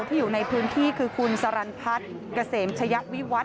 ที่อยู่ในพื้นที่คือคุณสรรานพรรดิกระเศษมชายะวิวัสด์